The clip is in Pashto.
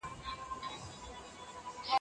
ورپسې د لويو لويو جنرالانو